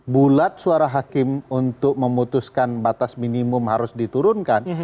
bulat suara hakim untuk memutuskan batas minimum harus diturunkan